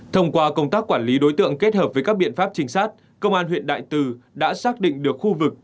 thông qua công tác quản lý đối tượng kết hợp với các biện pháp trinh sát công an huyện đại từ đã xác định được khu vực